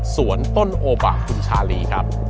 สวนต้นโอบะคุณชาลีครับ